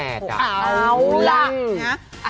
เอาล่ะ